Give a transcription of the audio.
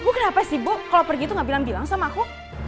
ibu kenapa sih ibu kalau pergi itu gak bilang bilang sama aku